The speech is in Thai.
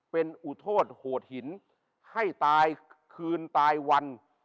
เป็นอุโทษโหดหินให้ตายคืนตายวัน